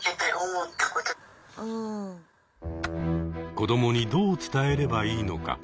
子どもにどう伝えればいいのか？